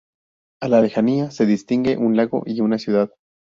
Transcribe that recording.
A la lejanía se distingue un lago y una ciudad.